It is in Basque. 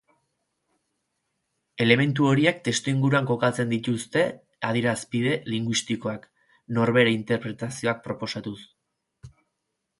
Elementu horiek testuinguruan kokatzen dituzte adierazpide linguistikoak, norbere interpretazioak proposatuz.